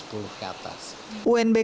unbk merupakan konsep ujian yang baru